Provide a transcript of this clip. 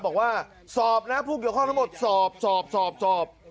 บอกว่าสอบนะผู้เกี่ยวข้องทั้งหมดสอบสอบสอบสอบ